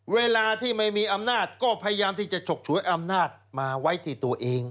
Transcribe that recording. เวลาที่ไม่มีอำนาจก็พยายามที่จะฉกฉวยอำนาจมาไว้ที่ตัวเอง